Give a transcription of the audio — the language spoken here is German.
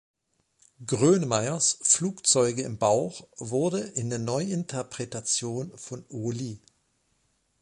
Grönemeyers "Flugzeuge im Bauch" wurde in der Neuinterpretation von Oli.